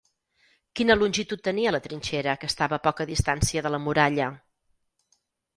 Quina longitud tenia la trinxera que estava a poca distància de la muralla?